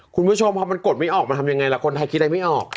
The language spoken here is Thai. คุณผู้ชมพอมันกดไม่ออกมาทำยังไงล่ะคนไทยคิดอะไรไม่ออก